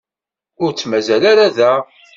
Ur t-mazal ara da.